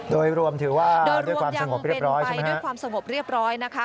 โดยรวมถือว่าด้วยความสงบเรียบร้อยนะคะ